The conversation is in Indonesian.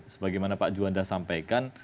sebagaimana pak juwanda sampaikan